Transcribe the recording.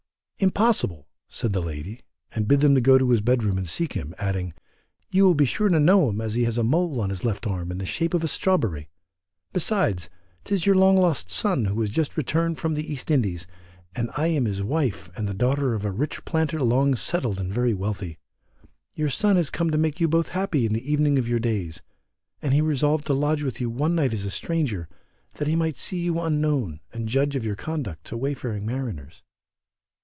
"Impossible!" said the lady, and bid them go to his bed room and seek him, adding, "you will be sure to know him as he has a mole on his left arm in the shape of a strawberry. Besides, 'tis your long lost son who has just returned from the East Indies, and I am his wife, and the daughter of a rich planter long settled and very wealthy. Your son has come to make you both happy in the evening of your days, and he resolved to lodge with you one night as a stranger, that he might see you unknown, and judge of your conduct to wayfaring mariners."